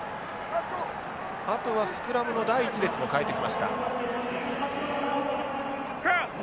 あとはスクラムの第１列も代えてきました。